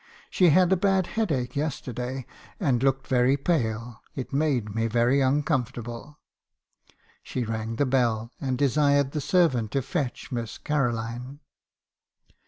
She had a bad headache yesterday, and looked very pale ; it made me very uncomfortable.' " She rang the bell and desired the servant to fetch Miss Caroline.